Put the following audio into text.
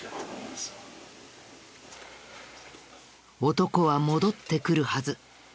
男は戻ってくるはず。